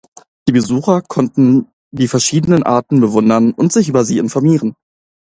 Die Besucher konnten die verschiedenen Arten bewundern und sich über sie informieren.